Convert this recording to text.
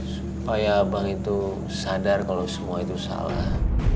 supaya bank itu sadar kalau semua itu salah